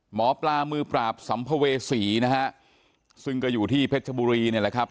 หมอปลามือปราบสัมภเวษีนะฮะซึ่งก็อยู่ที่เพชรชบุรีเนี่ยแหละครับ